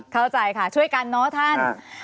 เข้าใจค่ะช่วยกันเนอะท่าน